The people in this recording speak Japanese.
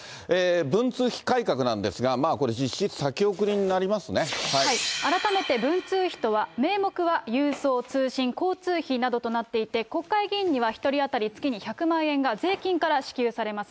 文通費改革なんですが、まあこれ、改めて文通費とは、名目は郵送・通信・交通費などとなっていて、国会議員には１人当たり月に１００万円が税金から支給されます。